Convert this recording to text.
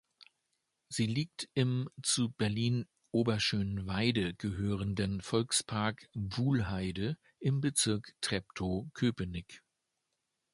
Sie liegt im zu Berlin-Oberschöneweide gehörenden Volkspark Wuhlheide im Bezirk Treptow-Köpenick.